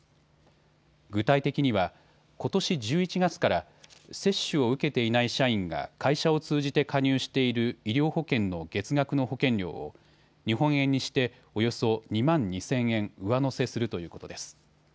具体的には、ことし１１月から接種を受けていない社員が会社を通じて加入している医療保険の月額の保険料を日本円にしておよそ２万２０００円上乗せするということです。